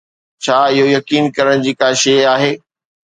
ڇا اهو يقين ڪرڻ جي ڪا شيء آهي؟